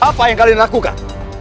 apa yang kalian lakukan